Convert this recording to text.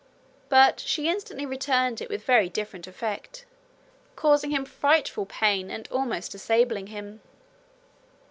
But she instantly returned it with very different effect, causing him frightful pain, and almost disabling him.